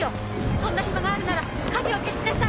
そんな暇があるなら火事を消しなさい！